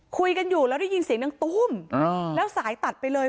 คุยกันอยู่แล้วได้ยินเสียงดังตุ้มแล้วสายตัดไปเลย